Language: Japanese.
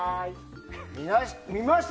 見ました？